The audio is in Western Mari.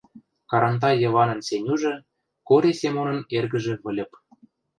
Карантай Йыванын Сенюжы, Кори Семонын эргӹжӹ Выльып